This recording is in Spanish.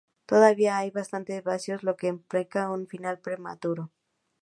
Todavía hay bastantes vacíos, lo que implicaba un final prematuro.